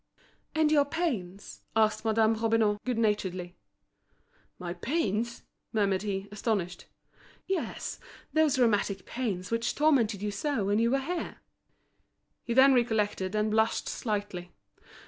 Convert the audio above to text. "And your pains?" asked Madame Robineau, good naturedly. "My pains?" murmured he, astonished. "Yes, those rheumatic pains which tormented you so much when you were here." He then recollected, and blushed slightly.